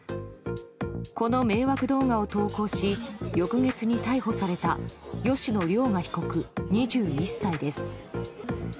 この迷惑動画を投稿し翌月に逮捕された吉野凌雅被告、２１歳です。